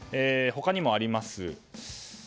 他にもあります。